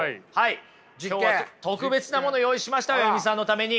今日は特別なもの用意しましたＡＹＵＭＩさんのために。